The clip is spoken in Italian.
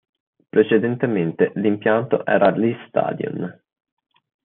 Precedentemente l'impianto era l'Eisstadion.